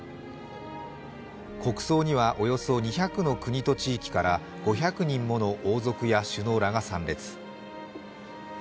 国葬にはおよそ２００の国と地域から５００人もの王族や首脳らが参列。